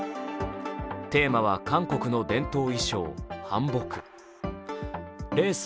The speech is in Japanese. テーマは韓国の伝統衣装、韓服。